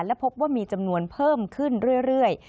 และพบว่ามีจำนวนเพิ่มขึ้นเรื่อย